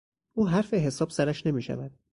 او حرف حساب سرش نمیشود.